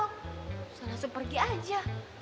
usah langsung pergi aja